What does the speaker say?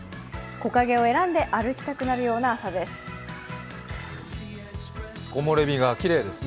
木陰を選んで歩きたくなるような朝です。